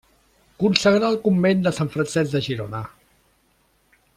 Consagrà el Convent de Sant Francesc de Girona.